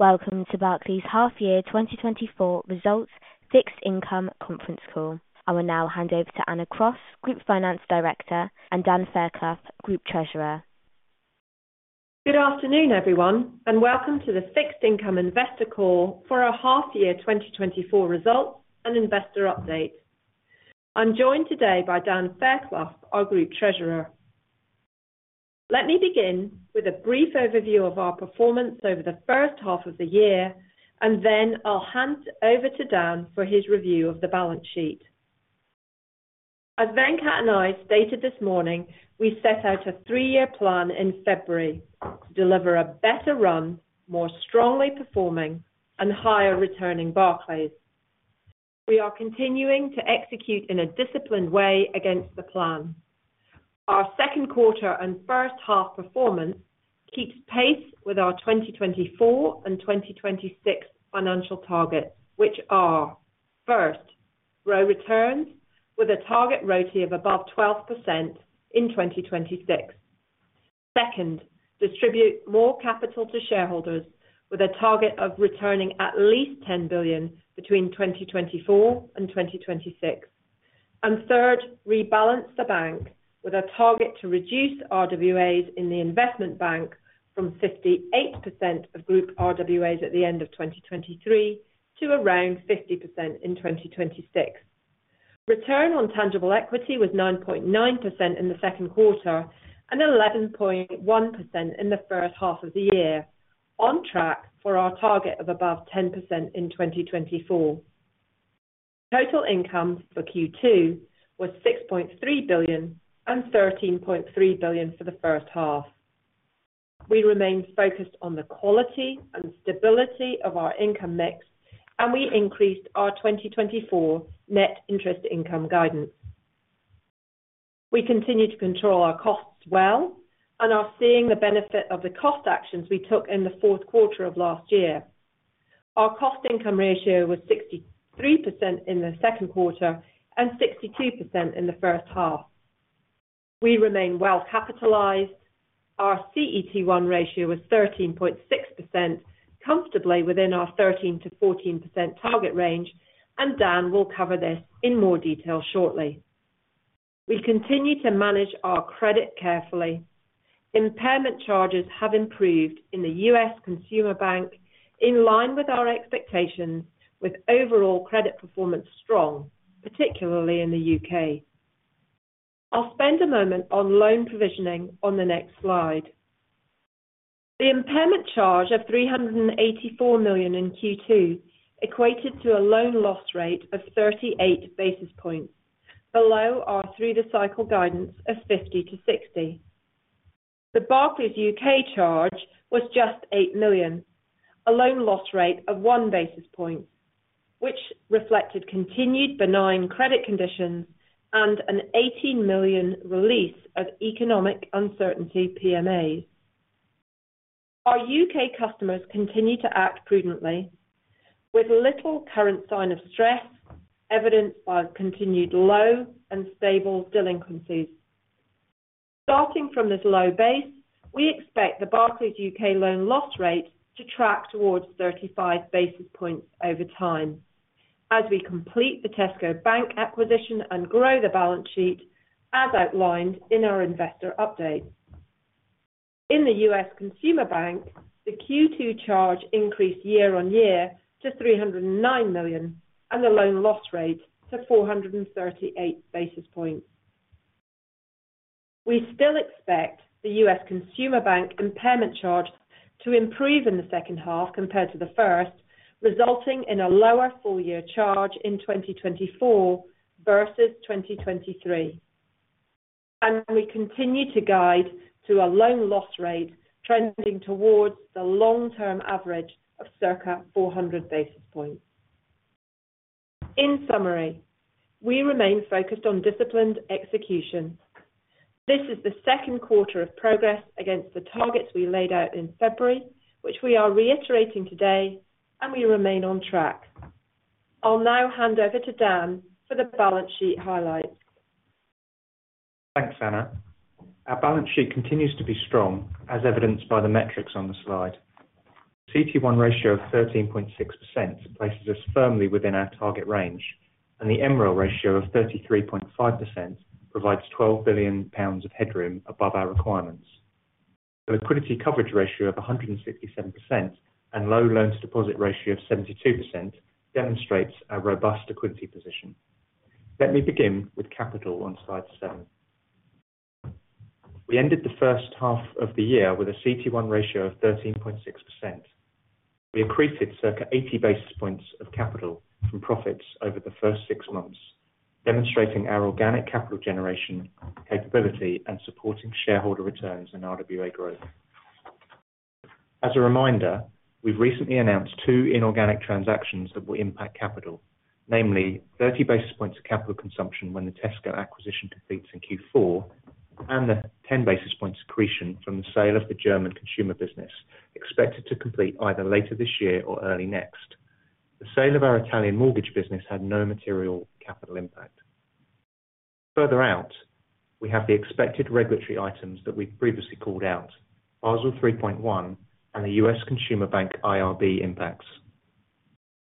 Welcome to Barclays Half-Year 2024 Results Fixed Income Conference Call. I will now hand over to Anna Cross, Group Finance Director, and Dan Fairclough, Group Treasurer. Good afternoon, everyone, and welcome to the Fixed Income Investor Call for our Half-Year 2024 Results and Investor Update. I'm joined today by Dan Fairclough, our Group Treasurer. Let me begin with a brief overview of our performance over the first half of the year, and then I'll hand over to Dan for his review of the balance sheet. As Venkat and I stated this morning, we set out a three-year plan in February to deliver a better run, more strongly performing, and higher-returning Barclays. We are continuing to execute in a disciplined way against the plan. Our second quarter and first half performance keeps pace with our 2024 and 2026 financial targets, which are: first, grow returns with a target RoTE of above 12% in 2026. Second, distribute more capital to shareholders with a target of returning at least $10 billion between 2024 and 2026. And third, rebalance the bank with a target to reduce RWAs in the Investment Bank from 58% of group RWAs at the end of 2023 to around 50% in 2026. Return on tangible equity was 9.9% in the second quarter and 11.1% in the first half of the year, on track for our target of above 10% in 2024. Total income for Q2 was $6.3 billion and $13.3 billion for the first half. We remained focused on the quality and stability of our income mix, and we increased our 2024 net interest income guidance. We continue to control our costs well and are seeing the benefit of the cost actions we took in the fourth quarter of last year. Our cost-to-income ratio was 63% in the second quarter and 62% in the first half. We remain well capitalized. Our CET1 ratio was 13.6%, comfortably within our 13%-14% target range, and Dan will cover this in more detail shortly. We continue to manage our credit carefully. Impairment charges have improved in the U.S. Consumer Bank, in line with our expectations, with overall credit performance strong, particularly in the U.K. I'll spend a moment on loan provisioning on the next slide. The impairment charge of $384 million in Q2 equated to a loan loss rate of 38 basis points, below our through-the-cycle guidance of 50%-60%. The Barclays U.K. charge was just $8 million, a loan loss rate of one basis point, which reflected continued benign credit conditions and an $18 million release of economic uncertainty PMAs. Our U.K. customers continue to act prudently, with little current sign of stress evidenced by continued low and stable delinquencies. Starting from this low base, we expect the Barclays U.K. loan loss rate to track towards 35 basis points over time as we complete the Tesco Bank acquisition and grow the balance sheet, as outlined in our investor update. In the U.S. Consumer Bank, the Q2 charge increased year-on-year to $309 million and the loan loss rate to 438 basis points. We still expect the U.S. Consumer Bank impairment charge to improve in the second half compared to the first, resulting in a lower full-year charge in 2024 versus 2023. We continue to guide to a loan loss rate trending towards the long-term average of circa 400 basis points. In summary, we remain focused on disciplined execution. This is the second quarter of progress against the targets we laid out in February, which we are reiterating today, and we remain on track. I'll now hand over to Dan for the balance sheet highlights. Thanks, Anna. Our balance sheet continues to be strong, as evidenced by the metrics on the slide. The CET1 ratio of 13.6% places us firmly within our target range, and the MREL ratio of 33.5% provides 12 billion pounds of headroom above our requirements. The liquidity coverage ratio of 167% and low loan-to-deposit ratio of 72% demonstrates our robust liquidity position. Let me begin with capital on Slide 7. We ended the first half of the year with a CET1 ratio of 13.6%. We increased it circa 80 basis points of capital from profits over the first six months, demonstrating our organic capital generation capability and supporting shareholder returns and RWA growth. As a reminder, we've recently announced two inorganic transactions that will impact capital, namely 30 basis points of capital consumption when the Tesco acquisition completes in Q4 and the 10 basis points accretion from the sale of the German consumer business, expected to complete either later this year or early next. The sale of our Italian mortgage business had no material capital impact. Further out, we have the expected regulatory items that we've previously called out: Basel 3.1 and the U.S. Consumer Bank IRB impacts.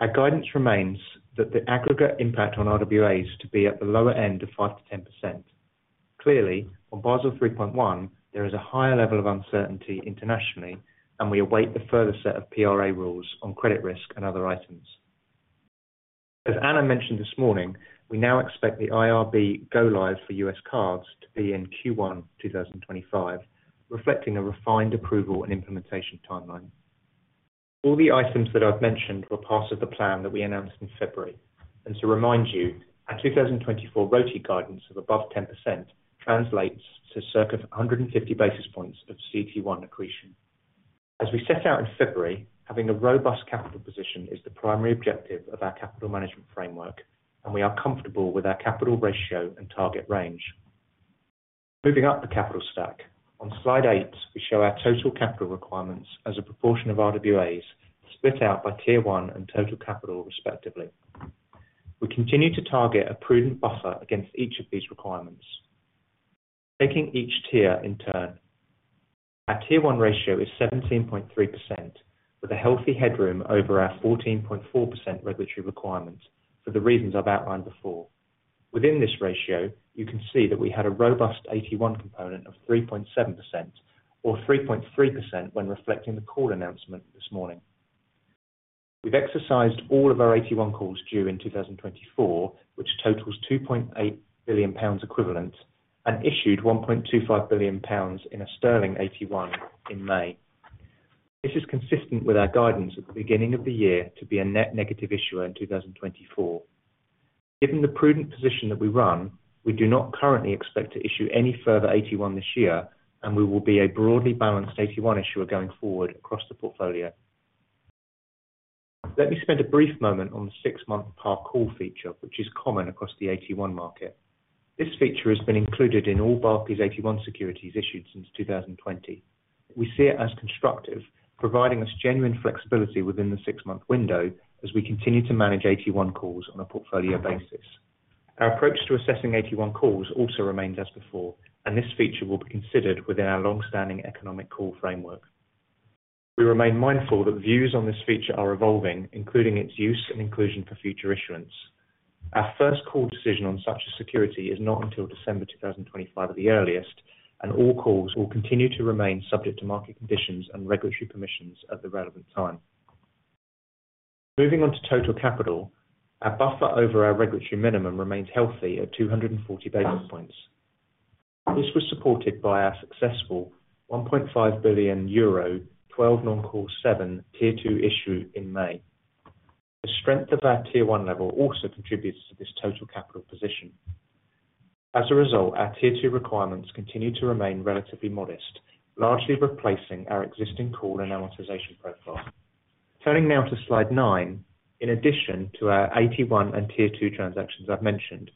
Our guidance remains that the aggregate impact on RWAs is to be at the lower end of 5%-10%. Clearly, on Basel 3.1, there is a higher level of uncertainty internationally, and we await the further set of PRA rules on credit risk and other items. As Anna mentioned this morning, we now expect the IRB go-live for U.S. Cards to be in Q1 2025, reflecting a refined approval and implementation timeline. All the items that I've mentioned were part of the plan that we announced in February. And to remind you, our 2024 RoTE guidance of above 10% translates to circa 150 basis points of CET1 accretion. As we set out in February, having a robust capital position is the primary objective of our capital management framework, and we are comfortable with our capital ratio and target range. Moving up the capital stack, on Slide 8, we show our total capital requirements as a proportion of RWAs split out by Tier 1 and total capital, respectively. We continue to target a prudent buffer against each of these requirements, taking each tier in turn. Our Tier 1 ratio is 17.3%, with a healthy headroom over our 14.4% regulatory requirement for the reasons I've outlined before. Within this ratio, you can see that we had a robust AT1 component of 3.7%, or 3.3% when reflecting the call announcement this morning. We've exercised all of our AT1 calls due in 2024, which totals 2.8 billion pounds equivalent, and issued 1.25 billion pounds in a sterling AT1 in May. This is consistent with our guidance at the beginning of the year to be a net negative issuer in 2024. Given the prudent position that we run, we do not currently expect to issue any further AT1 this year, and we will be a broadly balanced AT1 issuer going forward across the portfolio. Let me spend a brief moment on the six-month par call feature, which is common across the AT1 market. This feature has been included in all Barclays AT1 securities issued since 2020. We see it as constructive, providing us genuine flexibility within the six-month window as we continue to manage AT1 calls on a portfolio basis. Our approach to assessing AT1 calls also remains as before, and this feature will be considered within our long-standing economic call framework. We remain mindful that views on this feature are evolving, including its use and inclusion for future issuance. Our first call decision on such a security is not until December 2025 at the earliest, and all calls will continue to remain subject to market conditions and regulatory permissions at the relevant time. Moving on to total capital, our buffer over our regulatory minimum remains healthy at 240 basis points. This was supported by our successful 1.5 billion euro 12NC seven-year Tier 2 issue in May. The strength of our Tier 1 level also contributes to this total capital position. As a result, our Tier 2 requirements continue to remain relatively modest, largely replacing our existing call and amortization profile. Turning now to Slide 9, in addition to our AT1 and Tier 2 transactions I've mentioned,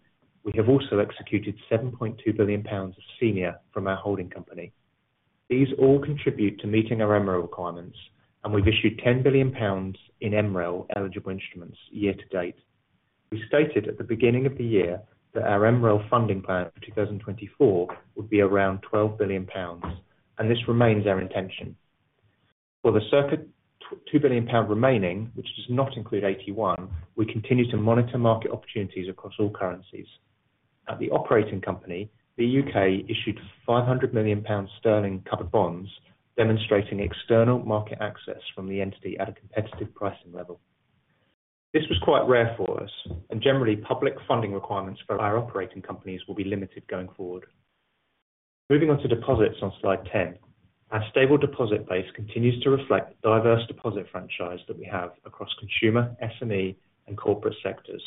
we have also executed 7.2 billion pounds of senior from our holding company. These all contribute to meeting our MREL requirements, and we've issued 10 billion pounds in MREL eligible instruments year to date. We stated at the beginning of the year that our MREL funding plan for 2024 would be around 12 billion pounds, and this remains our intention. For the circa 2 billion pound remaining, which does not include AT1, we continue to monitor market opportunities across all currencies. At the operating company, the U.K. issued 500 million sterling covered bonds, demonstrating external market access from the entity at a competitive pricing level. This was quite rare for us, and generally, public funding requirements for our operating companies will be limited going forward. Moving on to deposits on Slide 10, our stable deposit base continues to reflect the diverse deposit franchise that we have across consumer, SME, and corporate sectors.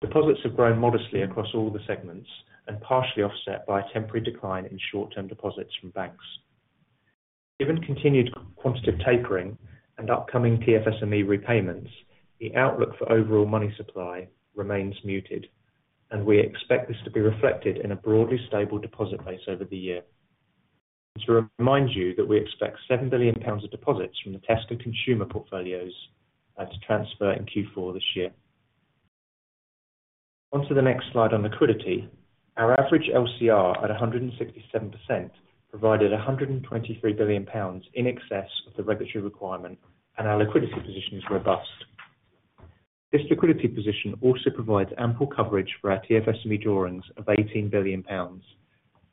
Deposits have grown modestly across all the segments and partially offset by a temporary decline in short-term deposits from banks. Given continued quantitative tapering and upcoming TFSME repayments, the outlook for overall money supply remains muted, and we expect this to be reflected in a broadly stable deposit base over the year. To remind you that we expect 7 billion pounds of deposits from the Tesco consumer portfolios to transfer in Q4 this year. Onto the next slide on liquidity. Our average LCR at 167% provided 123 billion pounds in excess of the regulatory requirement, and our liquidity position is robust. This liquidity position also provides ample coverage for our TFSME drawings of 18 billion pounds,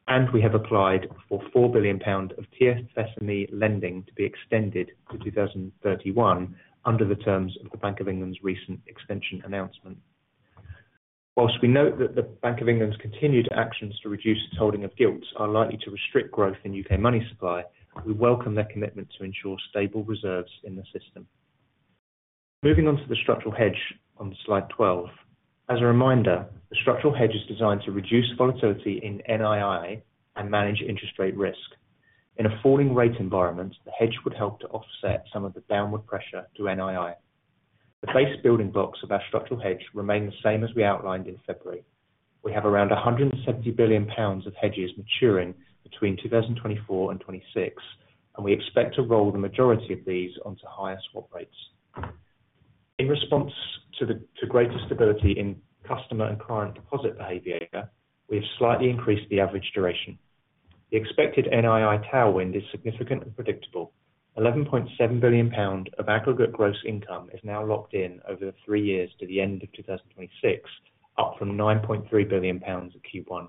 and we have applied for 4 billion pound of TFSME lending to be extended to 2031 under the terms of the Bank of England's recent extension announcement. Whilst we note that the Bank of England's continued actions to reduce its holding of gilts are likely to restrict growth in U.K. money supply, we welcome their commitment to ensure stable reserves in the system. Moving on to the structural hedge on Slide 12. As a reminder, the structural hedge is designed to reduce volatility in NII and manage interest rate risk. In a falling rate environment, the hedge would help to offset some of the downward pressure to NII. The base building blocks of our structural hedge remain the same as we outlined in February. We have around 170 billion pounds of hedges maturing between 2024 and 2026, and we expect to roll the majority of these onto higher swap rates. In response to greater stability in customer and client deposit behavior, we have slightly increased the average duration. The expected NII tailwind is significant and predictable. 11.7 billion pounds of aggregate gross income is now locked in over three years to the end of 2026, up from 9.3 billion pounds at Q1,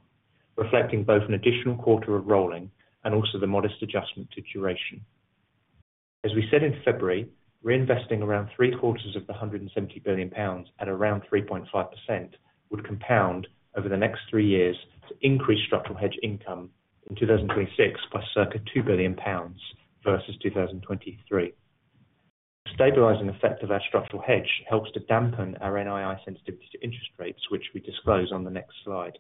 reflecting both an additional quarter of rolling and also the modest adjustment to duration. As we said in February, reinvesting around three quarters of the 170 billion pounds at around 3.5% would compound over the next three years to increase structural hedge income in 2026 by circa 2 billion pounds versus 2023. The stabilizing effect of our structural hedge helps to dampen our NII sensitivity to interest rates, which we disclose on the next slide.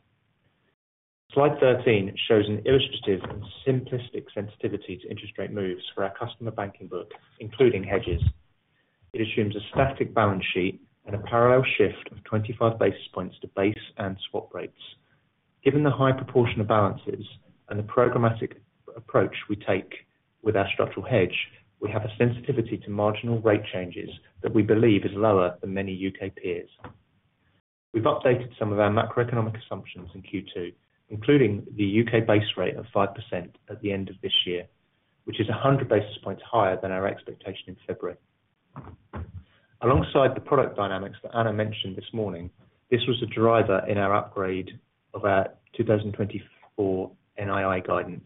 Slide 13 shows an illustrative and simplistic sensitivity to interest rate moves for our customer banking book, including hedges. It assumes a static balance sheet and a parallel shift of 25 basis points to base and swap rates. Given the high proportion of balances and the programmatic approach we take with our structural hedge, we have a sensitivity to marginal rate changes that we believe is lower than many U.K. peers. We've updated some of our macroeconomic assumptions in Q2, including the U.K. base rate of 5% at the end of this year, which is 100 basis points higher than our expectation in February. Alongside the product dynamics that Anna mentioned this morning, this was a driver in our upgrade of our 2024 NII guidance.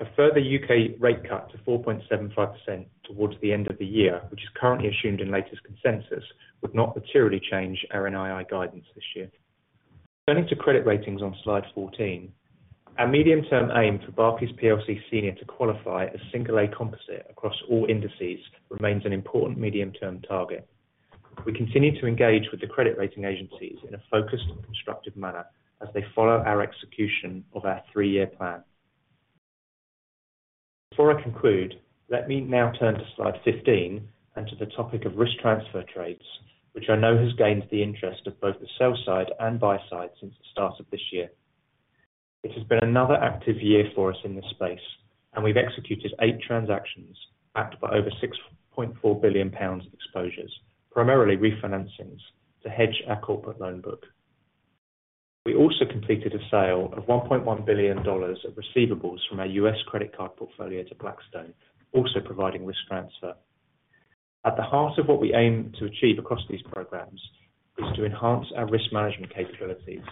A further U.K. rate cut to 4.75% towards the end of the year, which is currently assumed in latest consensus, would not materially change our NII guidance this year. Turning to credit ratings on Slide 14, our medium-term aim for Barclays PLC Senior to qualify as single-A composite across all indices remains an important medium-term target. We continue to engage with the credit rating agencies in a focused and constructive manner as they follow our execution of our three-year plan. Before I conclude, let me now turn to Slide 15 and to the topic of risk transfer trades, which I know has gained the interest of both the sell side and buy side since the start of this year. It has been another active year for us in this space, and we've executed eight transactions backed by over 6.4 billion pounds exposures, primarily refinancings, to hedge our corporate loan book. We also completed a sale of $1.1 billion of receivables from our U.S. Credit card portfolio to Blackstone, also providing risk transfer. At the heart of what we aim to achieve across these programs is to enhance our risk management capabilities.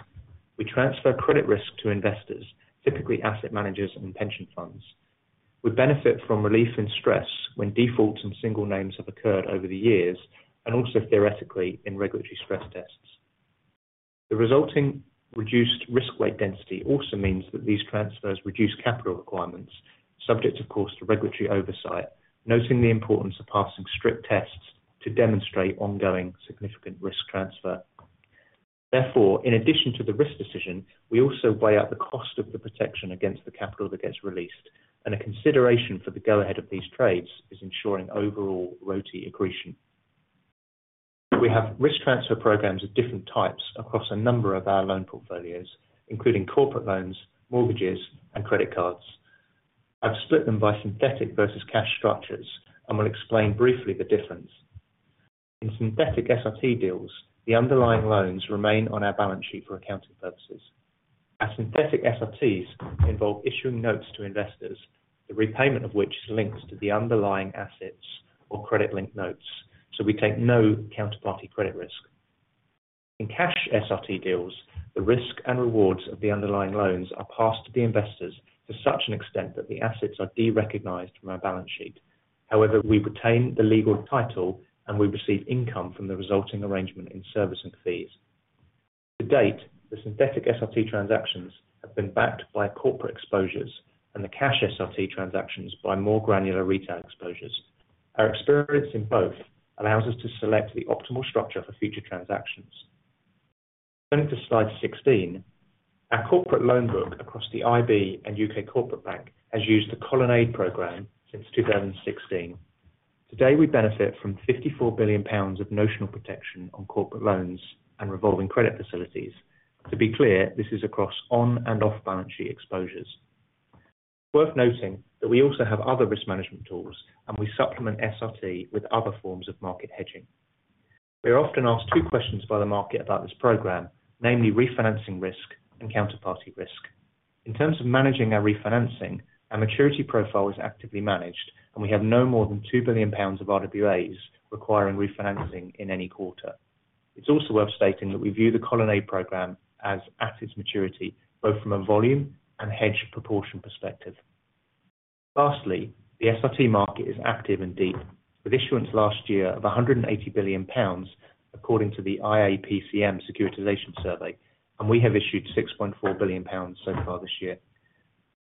We transfer credit risk to investors, typically asset managers and pension funds. We benefit from relief and stress when defaults and single names have occurred over the years, and also theoretically in regulatory stress tests. The resulting reduced risk weight density also means that these transfers reduce capital requirements, subject, of course, to regulatory oversight, noting the importance of passing strict tests to demonstrate ongoing significant risk transfer. Therefore, in addition to the risk decision, we also weigh up the cost of the protection against the capital that gets released, and a consideration for the go ahead of these trades is ensuring overall ROE accretion. We have risk transfer programs of different types across a number of our loan portfolios, including corporate loans, mortgages, and credit cards. I've split them by synthetic versus cash structures, and will explain briefly the difference. In synthetic SRT deals, the underlying loans remain on our balance sheet for accounting purposes. Our synthetic SRTs involve issuing notes to investors, the repayment of which is linked to the underlying assets or credit-linked notes, so we take no counterparty credit risk. In cash SRT deals, the risk and rewards of the underlying loans are passed to the investors to such an extent that the assets are derecognized from our balance sheet. However, we retain the legal title, and we receive income from the resulting arrangement in service and fees. To date, the synthetic SRT transactions have been backed by corporate exposures and the cash SRT transactions by more granular retail exposures. Our experience in both allows us to select the optimal structure for future transactions. Turning to Slide 16, our corporate loan book across the IB and U.K. Corporate Bank has used the Colonnade program since 2016. Today, we benefit from 54 billion pounds of notional protection on corporate loans and revolving credit facilities. To be clear, this is across on and off-balance sheet exposures. It's worth noting that we also have other risk management tools, and we supplement SRT with other forms of market hedging. We are often asked two questions by the market about this program, namely refinancing risk and counterparty risk. In terms of managing our refinancing, our maturity profile is actively managed, and we have no more than 2 billion pounds of RWAs requiring refinancing in any quarter. It's also worth stating that we view the Colonnade program as at its maturity, both from a volume and hedge proportion perspective. Lastly, the SRT market is active and deep, with issuance last year of 180 billion pounds, according to the IACPM Securitization Survey, and we have issued 6.4 billion pounds so far this year.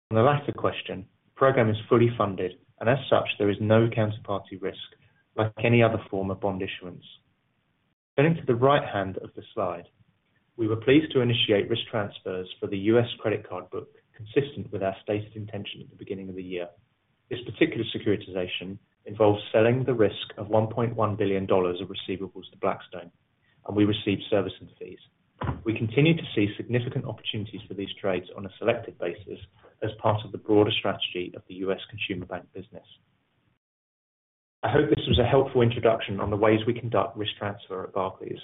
On the latter question, the program is fully funded, and as such, there is no counterparty risk like any other form of bond issuance. Turning to the right hand of the slide, we were pleased to initiate risk transfers for the U.S. credit card book, consistent with our stated intention at the beginning of the year. This particular securitization involves selling the risk of $1.1 billion of receivables to Blackstone, and we receive services and fees. We continue to see significant opportunities for these trades on a selective basis as part of the broader strategy of the U.S. Consumer Bank business. I hope this was a helpful introduction on the ways we conduct risk transfer at Barclays.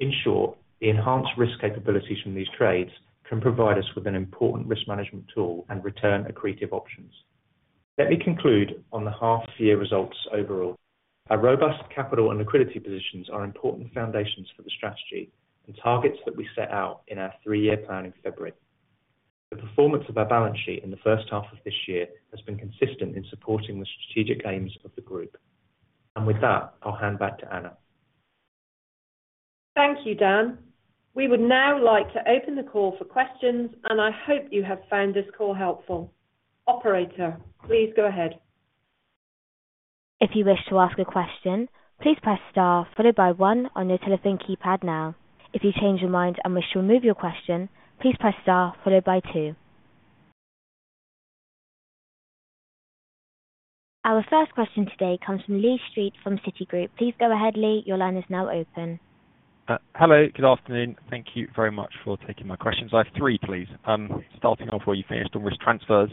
In short, the enhanced risk capabilities from these trades can provide us with an important risk management tool and return accretive options. Let me conclude on the half-year results overall. Our robust capital and liquidity positions are important foundations for the strategy and targets that we set out in our three-year plan in February. The performance of our balance sheet in the first half of this year has been consistent in supporting the strategic aims of the group. With that, I'll hand back to Anna. Thank you, Dan. We would now like to open the call for questions, and I hope you have found this call helpful. Operator, please go ahead. If you wish to ask a question, please press star followed by one on your telephone keypad now. If you change your mind and wish to remove your question, please press star followed by two. Our first question today comes from Lee Street from Citigroup. Please go ahead, Lee. Your line is now open. Hello, good afternoon. Thank you very much for taking my questions. I have three, please. Starting off where you finished on risk transfers.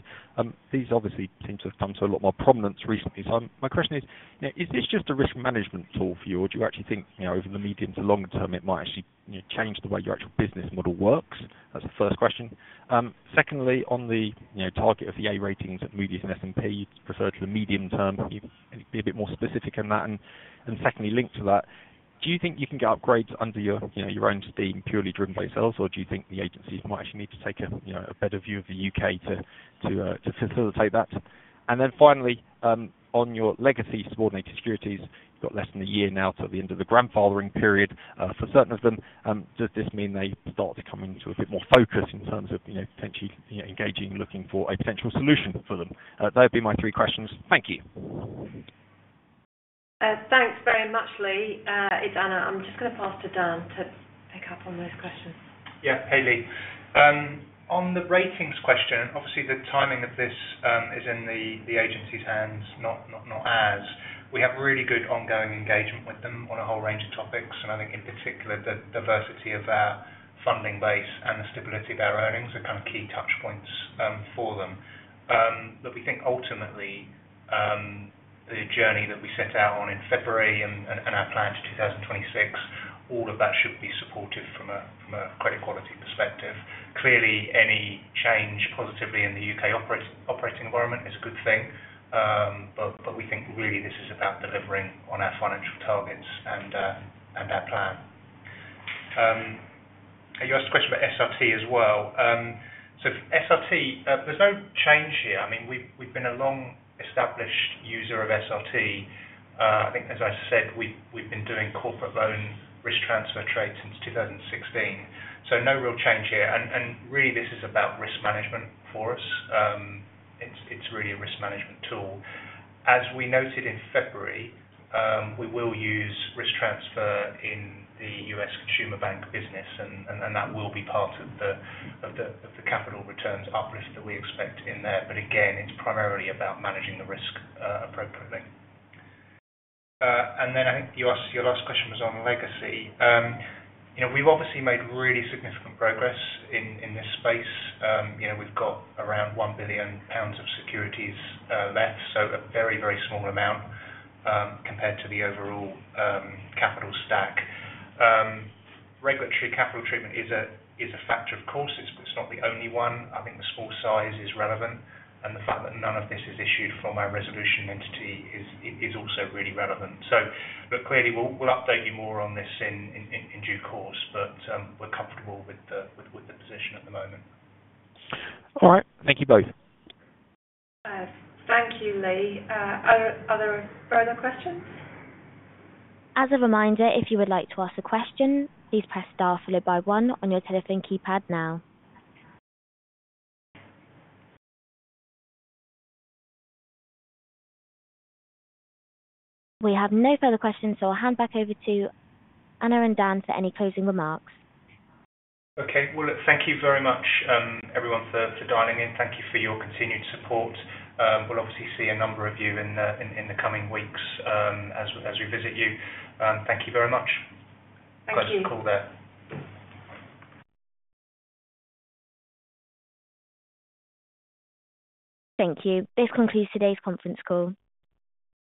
These obviously seem to have come to a lot more prominence recently. So my question is, is this just a risk management tool for you, or do you actually think over the medium to long term it might actually change the way your actual business model works? That's the first question. Secondly, on the target of the A ratings at Moody's and S&P, refer to the medium term. Can you be a bit more specific on that? And secondly, linked to that, do you think you can get upgrades under your own steam purely driven by yourselves, or do you think the agencies might actually need to take a better view of the U.K. to facilitate that? And then finally, on your legacy subordinated securities, you've got less than a year now to the end of the grandfathering period. For certain of them, does this mean they start to come into a bit more focus in terms of potentially engaging and looking for a potential solution for them? That would be my three questions. Thank you. Thanks very much, Lee. It's Anna. I'm just going to pass to Dan to pick up on those questions. Yeah. Hey, Lee. On the ratings question, obviously the timing of this is in the agency's hands, not ours. We have really good ongoing engagement with them on a whole range of topics, and I think in particular the diversity of our funding base and the stability of our earnings are kind of key touchpoints for them. But we think ultimately the journey that we set out on in February and our plan to 2026, all of that should be supported from a credit quality perspective. Clearly, any change positively in the U.K. operating environment is a good thing, but we think really this is about delivering on our financial targets and our plan. You asked a question about SRT as well. So SRT, there's no change here. I mean, we've been a long-established user of SRT. I think, as I said, we've been doing corporate loan risk transfer trades since 2016. So no real change here. Really, this is about risk management for us. It's really a risk management tool. As we noted in February, we will use risk transfer in the U.S. Consumer Bank business, and that will be part of the capital returns uplift that we expect in there. But again, it's primarily about managing the risk appropriately. And then I think your last question was on legacy. We've obviously made really significant progress in this space. We've got around 1 billion pounds of securities left, so a very, very small amount compared to the overall capital stack. Regulatory capital treatment is a factor, of course, but it's not the only one. I think the small size is relevant, and the fact that none of this is issued from our resolution entity is also really relevant. So clearly, we'll update you more on this in due course, but we're comfortable with the position at the moment. All right. Thank you both. Thank you, Lee. Are there further questions? As a reminder, if you would like to ask a question, please press star followed by one on your telephone keypad now. We have no further questions, so I'll hand back over to Anna and Dan for any closing remarks. Okay. Well, thank you very much, everyone, for dialing in. Thank you for your continued support. We'll obviously see a number of you in the coming weeks as we visit you. Thank you very much. Thank you. Thanks for the call there. Thank you. This concludes today's conference call.